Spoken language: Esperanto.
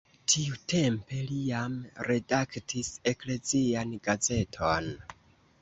Tiutempe li jam redaktis eklezian gazeton.